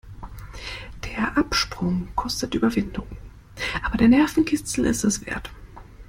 Der Absprung kostet Überwindung, aber der Nervenkitzel ist es wert.